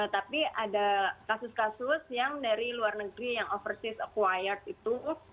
tapi ada kasus kasus yang dari luar negeri yang oversis acquired itu